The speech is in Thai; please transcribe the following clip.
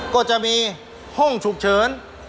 ก็จะมีห้องฉุกเฉิน